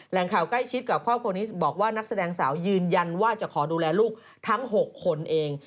แหล่งข่าวใกล้ชิดกับครอบครัวนี้บอกว่านักแสดงสาวยืนยันว่าจะขอดูแลลูกทั้ง๖คนเอง